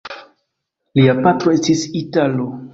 Lia patro estis italo.